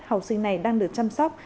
học sinh này đang được chăm sóc